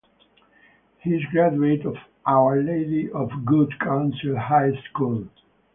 He is a graduate of Our Lady of Good Counsel High School.